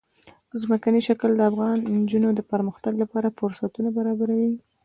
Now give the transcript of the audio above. ځمکنی شکل د افغان نجونو د پرمختګ لپاره فرصتونه برابروي.